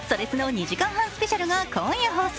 ２時間半スペシャルが今夜放送。